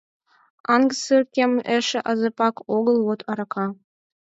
Аҥысыр кем эше азапак огыл, вот арака!